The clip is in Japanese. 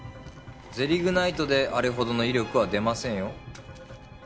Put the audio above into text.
ゼリグナイトであれほどの威力は出ませんよ